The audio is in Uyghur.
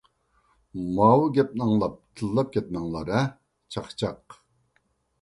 ماۋۇ گەپنى ئاڭلاپ تىللاپ كەتمەڭلار ھە، چاقچاق.